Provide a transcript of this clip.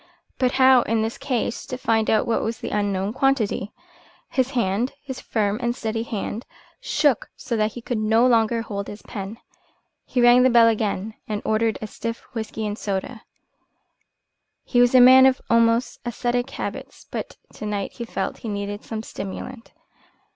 But how, in this case, to find out what was the unknown quantity? His hand, his firm and steady hand, shook so that he could no longer hold his pen. He rang the bell again and ordered a stiff whisky and soda. He was a man of almost ascetic habits, but to night he felt that he needed some stimulant.